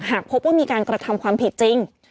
หากพบว่ามีการกระทำความผิดจริง